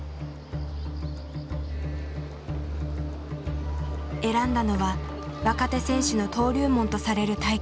選んだのは若手選手の登竜門とされる大会。